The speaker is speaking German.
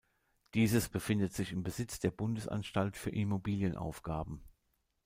Dieses befindet sich im Besitz der Bundesanstalt für Immobilienaufgaben.